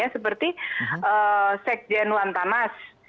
seperti sekjen luan tamas